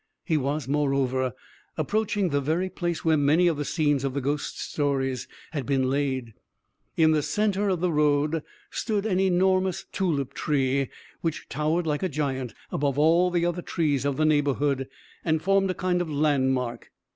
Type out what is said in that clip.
He was, moreover, approaching the very place where many of the scenes of the ghost stories had been laid. In the center of the road stood an enormous tulip tree, which towered like a giant above all the other trees of the neighborhood, and formed a kind of landmark.